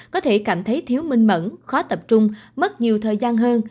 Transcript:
có thể cảm thấy thiếu minh mẫn khó tập trung mất nhiều thời gian hơn